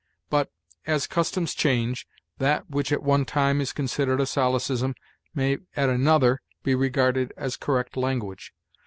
But, as customs change, that which at one time is considered a solecism may at another be regarded as correct language.